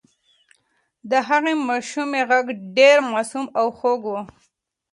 د هغې ماشومې غږ ډېر معصوم او خوږ و.